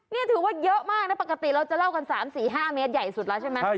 นี่ถือว่าเยอะมากนะปกติเราจะเล่ากัน๓๔๕เมตรใหญ่สุดแล้วใช่ไหม